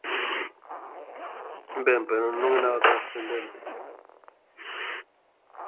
Ben, pero non é nada transcendente.